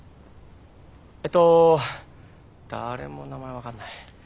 えっと誰も名前分かんない。